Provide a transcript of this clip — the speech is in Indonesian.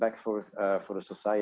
saya pikir itu satu